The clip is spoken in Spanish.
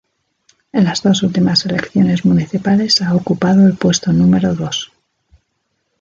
En las dos últimas elecciones municipales ha ocupado el puesto número dos.